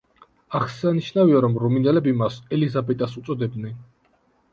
აღსანიშნავია, რომ რუმინელები მას ელიზაბეტას უწოდებდნენ.